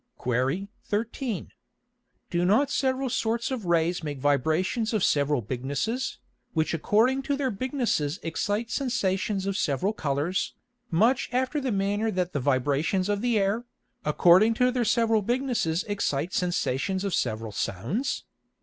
Qu. 13. Do not several sorts of Rays make Vibrations of several bignesses, which according to their bignesses excite Sensations of several Colours, much after the manner that the Vibrations of the Air, according to their several bignesses excite Sensations of several Sounds?